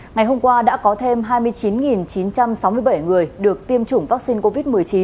ngày hôm qua đã có thêm hai mươi chín chín trăm sáu mươi bảy người được tiêm chủng vaccine covid một mươi chín